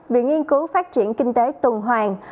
viện nghiên cứu phát triển kinh tế tuần hoàng